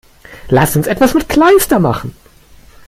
Lass uns etwas mit Kleister machen!